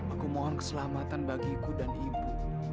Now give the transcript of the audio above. aku mohon keselamatan bagiku dan ibu